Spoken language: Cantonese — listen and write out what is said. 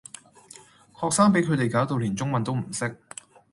學生比佢地攪到連中文都唔識